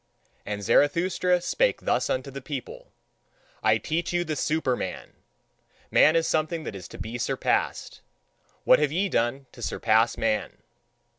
And Zarathustra spake thus unto the people: I TEACH YOU THE SUPERMAN. Man is something that is to be surpassed. What have ye done to surpass man?